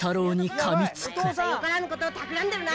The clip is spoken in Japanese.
「よからぬことをたくらんでるな」